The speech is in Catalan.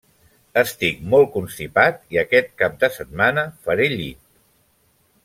Estic molt constipat i aquest cap de setmana faré llit.